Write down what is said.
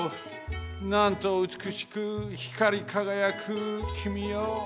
なんとうつくしくひかりかがやくきみよ！